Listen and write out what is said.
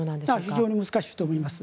非常に難しいと思います。